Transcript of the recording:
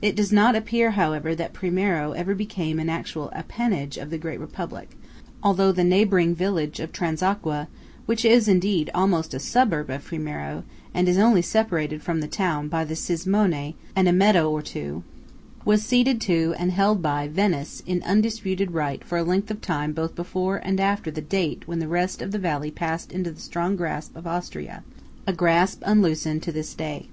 It does not appear, however, that Primiero ever became an actual appanage of the great Republic, although the neighbouring village of Transacqua (which is indeed almost a suburb of Primiero, and is only separated from the town by the Cismone and a meadow or two) was ceded to, and held by, Venice in undisputed right for a length of time both before and after the date when the rest of the valley passed into the strong grasp of Austria–a grasp unloosened to this day.